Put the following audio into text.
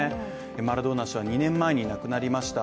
マラドーナ氏は２年前に亡くなりました。